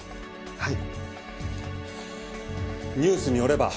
はい。